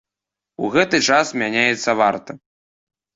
У гэты час мяняецца варта.